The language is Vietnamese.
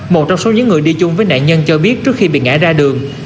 một trong số những người đi chung với nạn nhân cho biết trước khi bị ngã ra đường